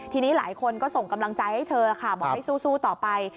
ทีนี้หลายคนก็ส่งกำลังใจให้เธอค่ะบอกให้สู้ต่อไป